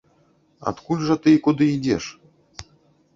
Адкуль жа ты і куды ідзеш?